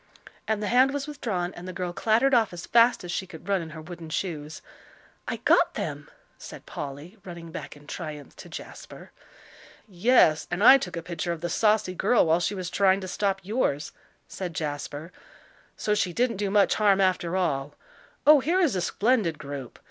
And the hand was withdrawn, and the girl clattered off as fast as she could run in her wooden shoes. "I got them," said Polly, running back in triumph to Jasper. "Yes, and I took a picture of the saucy girl while she was trying to stop yours," said Jasper. "So she didn't do much harm, after all. Oh, here is a splendid group!